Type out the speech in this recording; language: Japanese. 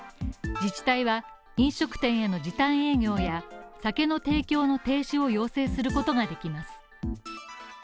自治体は飲食店への時短営業や酒の提供の停止を要請することができます。